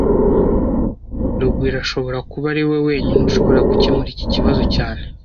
Rugwiro ashobora kuba ariwe wenyine ushobora gukemura iki kibazo cyane